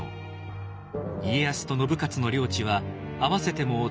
家康と信雄の領地は合わせてもたったの８国。